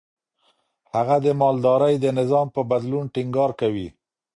هغه د مالدارۍ د نظام په بدلون ټينګار کوي.